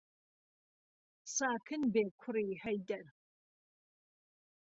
ساکن بێ کوڕی ههيدەر